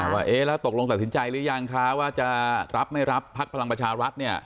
ว่าแล้วตกลงตัดสินใจหรือยังคะว่าจะรับไม่รับพักพลังประชารัฐเนี่ย